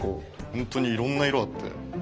ほんとにいろんな色あって。